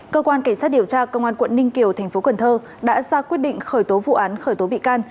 cơ quan cảnh sát điều tra công an quận ninh kiều tp quần thơ đã ra quyết định khởi tố vụ án khởi tố bị can